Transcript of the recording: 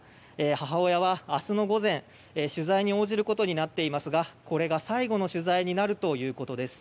母親は明日の午前、取材に応じることになっていますがこれが最後の取材になるということです。